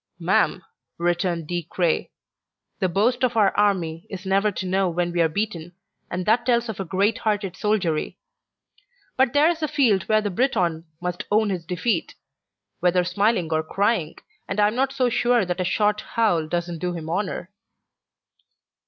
"Ma'am," returned De Craye, "the boast of our army is never to know when we are beaten, and that tells of a great hearted soldiery. But there's a field where the Briton must own his defeat, whether smiling or crying, and I'm not so sure that a short howl doesn't do him honour."